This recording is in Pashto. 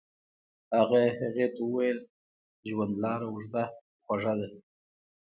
هغه هغې ته وویل ژوند لاره اوږده خو خوږه ده.